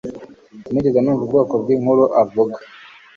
Sinigeze numva ubwoko bwinkuru avuga